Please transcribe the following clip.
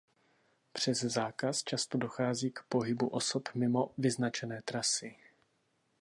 Přes zákaz často dochází k pohybu osob mimo vyznačené trasy.